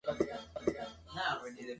No soy una Mujer Maravilla, ya sabes".